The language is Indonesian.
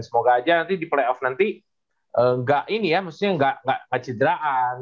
semoga aja nanti di play off nanti nggak kecederaan